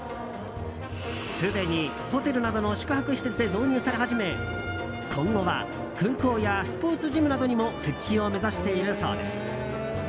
すでにホテルなどの宿泊施設で導入され始め今後は空港やスポーツジムなどにも設置を目指しているそうです。